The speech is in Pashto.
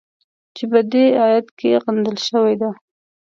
چې په دې ایت کې غندل شوې ده.